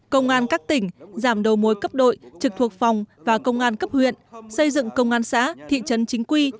công an các tỉnh giảm đầu mối cấp đội trực thuộc phòng và công an cấp huyện xây dựng công an xã thị trấn chính quy